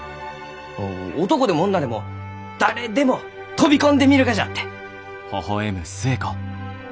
お男でも女でも誰でも飛び込んでみるがじゃって！